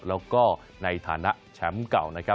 แล้วก็ในฐานะแชมป์เก่า